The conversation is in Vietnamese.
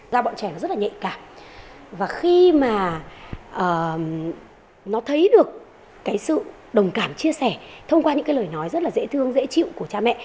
rao bọn trẻ rất là nhạy cảm và khi mà nó thấy được sự đồng cảm chia sẻ thông qua những lời nói rất là dễ thương dễ chịu của cha mẹ